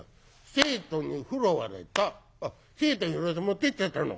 生徒に拾われた「生徒に拾われて持ってっちゃったの？